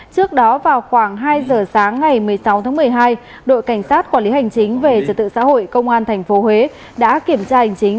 trước đó vào khoảng hai giờ sáng ngày một mươi sáu tháng một mươi hai đội cảnh sát quản lý hành chính về trật tự xã hội công an tp huế đã kiểm tra hành chính